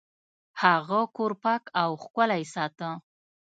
هغه کور پاک او ښکلی ساته.